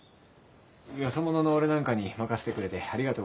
よそ者の俺なんかに任せてくれてありがとうございました。